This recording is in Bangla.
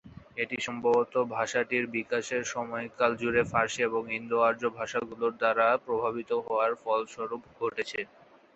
এটি সম্ভবত ভাষাটির বিকাশের সময়কাল জুড়ে ফার্সি এবং ইন্দো-আর্য ভাষাগুলোর দ্বারা প্রভাবিত হওয়ার ফলস্বরূপ ঘটেছে।